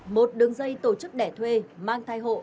một đường dây tổ chức đẻ thuê mang thai hộ